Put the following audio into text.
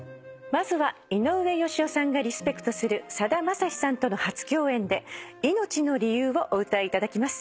まずは井上芳雄さんがリスペクトするさだまさしさんとの初共演で『いのちの理由』をお歌いいただきます。